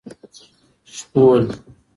شپول